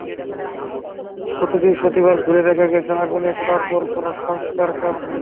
গত বৃহস্পতিবার ঘুরে দেখা গেছে, আগুনে পোড়ার পর কোনো সংস্কারকাজ হয়নি।